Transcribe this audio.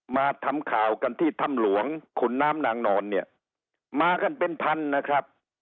มาทำข่าวกันที่ถ้ำหลวงขุนน้ำนางนอนเนี่ยมากันเป็นพันนะครับ